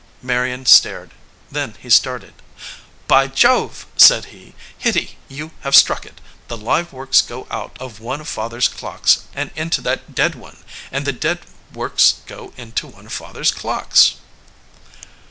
Marion stared. Then he started. "By Jove!" said he. "Hitty, you have struck it! The live works go out of one of father s clocks and into that 70 THE VOICE OF THE CLOCK dead one, and the dead works go into one of fath er s clocks